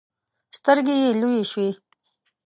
سترګې يې لویې شوې.